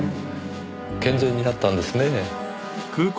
健全になったんですねぇ。